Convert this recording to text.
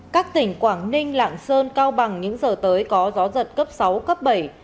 các tỉnh quảng ninh lạng sơn cao bằng những giờ tới có gió giật cấp sáu cấp bảy